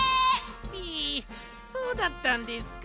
ピイそうだったんですか。